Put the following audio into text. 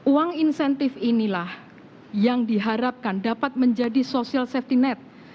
uang insentif inilah yang diharapkan dapat menjadi social safety net